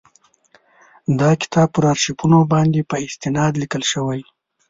دا کتاب پر آرشیفونو باندي په استناد لیکل شوی.